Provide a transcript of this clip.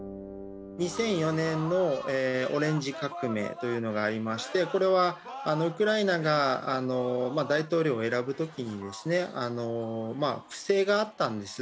２００４年のオレンジ革命というのがありましてこれはウクライナが大統領を選ぶ時に不正があったんです。